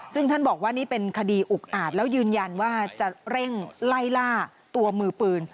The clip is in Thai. ซึ่งท่านบอกว่านี่เป็นคดีอุกอาจแล้วยืนยันว่าจะเร่งไล่ล่าตัวมือปืน